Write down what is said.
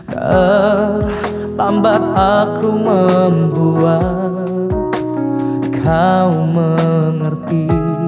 tambah aku membuat kau mengerti